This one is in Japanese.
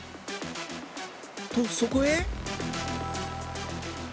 とそこへ